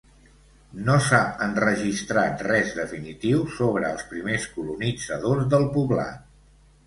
No s'ha enregistrat res definitiu sobre els primers colonitzadors del poblat.